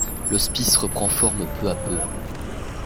L'hospice reprend forme peu à peu.